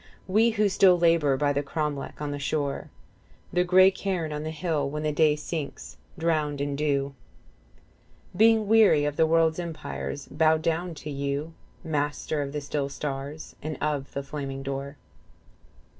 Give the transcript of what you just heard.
We who still labour by the cromlec on the shore, The grey cairn on the hill, when day sinks drowned in dew, 35 Being weary of the world's empires, bow down to you Master of the still stars and of the flaming door.